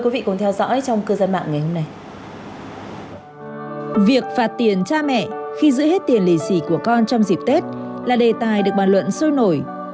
việc phạt tiền cha mẹ khi giữ hết tiền lì xì của con trong dịp tết là đề tài được bàn luận sôi nổi